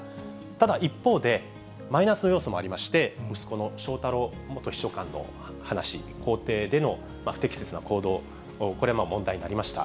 ただ、一方で、マイナスの要素もありまして、息子の翔太郎元秘書官の話、公邸での不適切な行動、これも問題になりました。